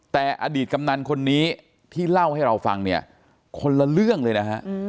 แต่อดีตกำนันคนนี้ที่เล่าให้เราฟังเนี่ยคนละเรื่องเลยนะฮะ